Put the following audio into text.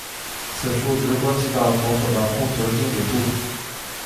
此数值关系到投手的控球精准度。